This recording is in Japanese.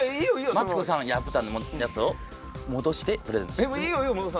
マツコさんが破ったやつを戻してプレゼントします。